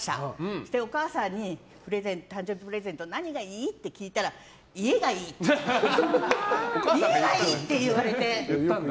そして、お母さんに誕生日プレゼント何がいい？って聞いたら家がいいって言われて。